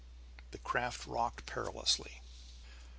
The craft rocked perilously.